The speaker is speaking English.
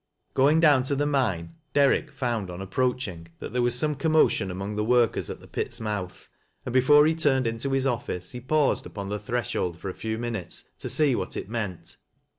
" LIZ." 23 Going down to the mine, Derrick found en a})proach ing that there was some commotion among the workers at the pit's mouth, and before he turned in to his ofBee, he paused upon the threshold for a few minutes to see what it meant.